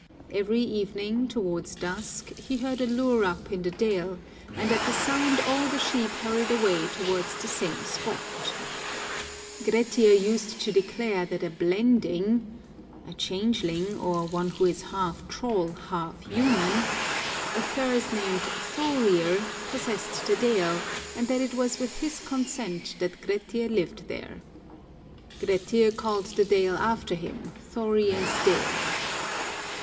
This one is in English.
Every evening, towards dusk, he heard a lure up in the dale^ and at the sound all the sheep hurried away towards the same spot. Grettir used to declare that a 218 A Mysterious Vale Blending,* a Thurse named Thorir, possessed the dale, and that it was with his consent that Grettir lived there. Grettir called the dale after him, Thorir's dale.